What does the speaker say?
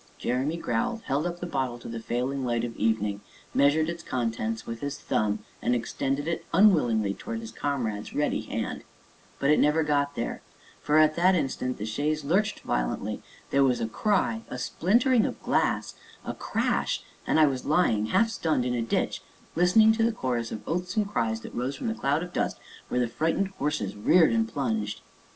Jeremy growled, held up the bottle to the failing light of evening, measured its contents with his thumb, and extended it unwillingly towards his comrade's ready hand; but it never got there, for, at that instant, the chaise lurched violently there was a cry, a splintering of glass, a crash, and I was lying, half stunned, in a ditch, listening to the chorus of oaths and cries that rose from the cloud of dust where the frightened horses reared and plunged.